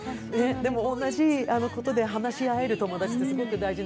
でも、同じことで話し合える友達ってすごく大事。